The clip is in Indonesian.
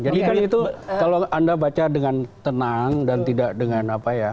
jadi kan itu kalau anda baca dengan tenang dan tidak dengan apa ya